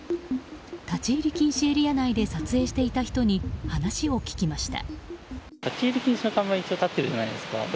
立ち入り禁止エリア内で撮影していた人に話を聞きました。